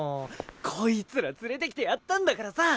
こいつら連れてきてやったんだからさ！